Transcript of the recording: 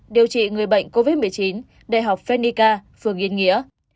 điều trị người bệnh covid một mươi chín đại học phenica phường yên nghĩa